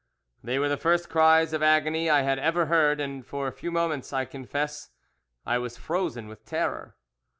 They were the first cries of agony I had ever heard, and for a few moments, I confess, I was frozen with terror.